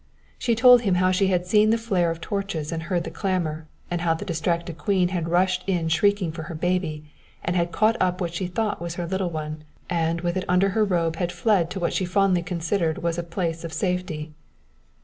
She told him of how she had seen the flare of torches and heard the clamour, and how the distracted queen had rushed in shrieking for her baby, and had caught up what she thought was her little one, and with it under her robe had fled to what she fondly considered was a place of safety.